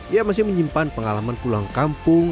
ia masih menyimpan pengalaman pulang kampung